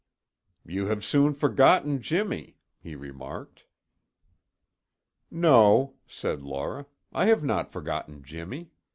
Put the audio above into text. "You have soon forgotten Jimmy," he remarked. "No," said Laura, "I have not forgotten Jimmy.